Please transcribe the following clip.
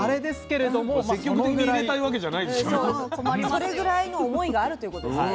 それぐらいの思いがあるということですね。